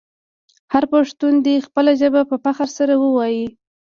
هر پښتون دې خپله ژبه په فخر سره وویې.